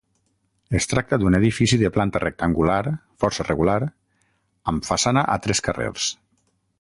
Es tracta d'un edifici de planta rectangular, força regular, amb façana a tres carrers.